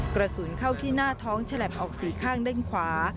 กระสุนเข้าที่หน้าท้องฉลับออกสี่ข้างด้านขวา